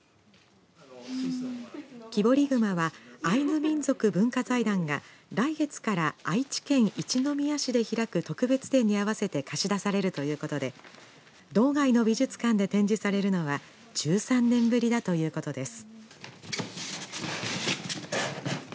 木彫り熊はアイヌ民族文化財団が来月から愛知県一宮市で開く特別展に合わせて貸し出されるということで道外の美術館で展示されるのは１３年ぶりだということです。